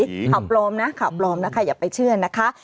ข่าวปลอมนะข่าวปลอมนะคะอย่าไปเชื่อนะคะ